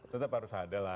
tetap harus ada lah